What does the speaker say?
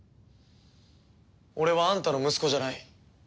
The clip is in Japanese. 俺はあんたの息子じゃない。